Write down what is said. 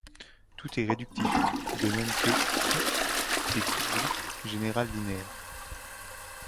Tout est réductif, de même que tout et tout groupe général linéaire.